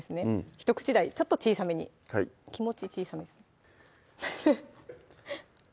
１口大ちょっと小さめに気持ち小さめですね